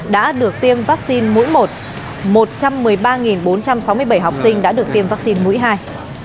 đã được tiêm vaccine mũi một một trăm một mươi ba bốn trăm sáu mươi bảy học sinh đã được tiêm vaccine mũi hai